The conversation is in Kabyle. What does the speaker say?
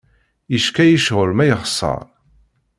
Yecqa-yi ccɣel ma yexṣer.